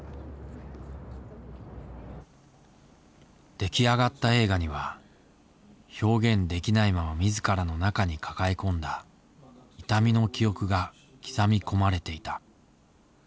出来上がった映画には表現できないまま自らの中に抱え込んだ痛みの記憶が刻み込まれていた。